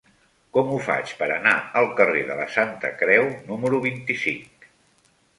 Com ho faig per anar al carrer de la Santa Creu número vint-i-cinc?